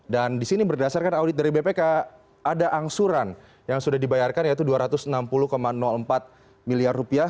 dan disini berdasarkan audit dari bpk ada angsuran yang sudah dibayarkan yaitu dua ratus enam puluh empat miliar rupiah